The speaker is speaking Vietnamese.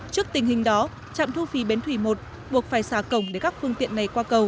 trước tình hình đó trạm thu phí bến thủy một buộc phải xả cổng để gặp phương tình